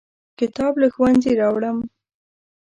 کتاب له ښوونځي راوړم.